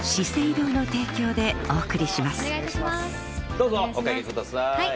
どうぞお掛けください。